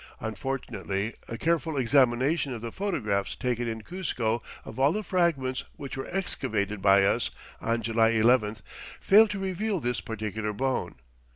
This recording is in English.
Unfortunately a careful examination of the photographs taken in Cuzco of all the fragments which were excavated by us on July 11th failed to reveal this particular bone.